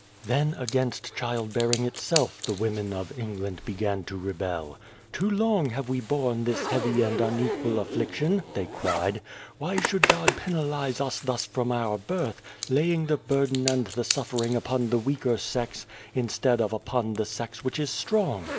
" Then against child bearing itself the women of England began to rebel. ' Too long have we borne this heavy and unequal affliction,' they cried. 'Why should God penalise us thus from our birth laying the burden and the suffering upon the weaker sex, instead of upon the sex which is strong